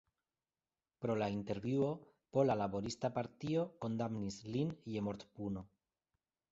Pro la intervjuo Pola Laborista Partio kondamnis lin je mortpuno.